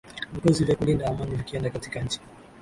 vikosi vya kulinda amani vikienda katika nchi